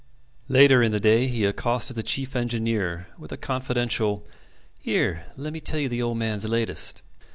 Later in the day he accosted the chief engineer with a confidential, "Here, let me tell you the old man's latest."